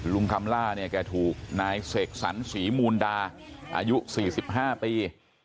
คำล่าเนี่ยแกถูกนายเสกสรรศรีมูลดาอายุ๔๕ปี